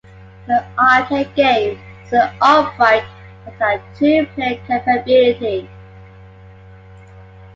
The arcade game is an upright that had two player capability.